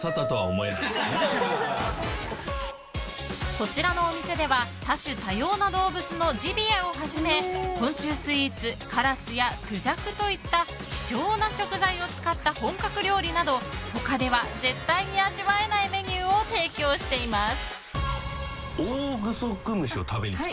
こちらのお店では多種多様な動物のジビエをはじめ昆虫スイーツカラスやクジャクといった希少な食材を使った本格料理など他では絶対に味わえないメニューを提供しています。